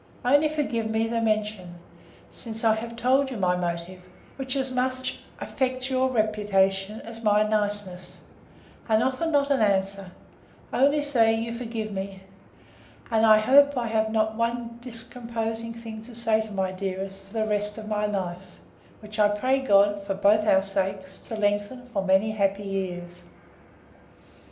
Only forgive me the mention, since I have told you my motive; which as much affects your reputation, as my niceness; and offer not at an answer;—only say, you forgive me: And I hope I have not one discomposing thing to say to my dearest, for the rest of my life; which I pray God, for both our sakes, to lengthen for many happy years.